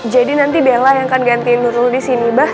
jadi nanti bella yang akan ganti nurul di sini pak